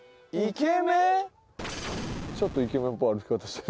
ちょっとイケメンっぽい歩き方してる。